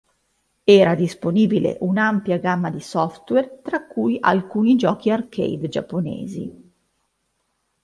Era disponibile un'ampia gamma di software, tra cui alcuni giochi arcade Giapponesi.